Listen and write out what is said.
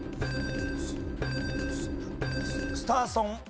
『スターソン』。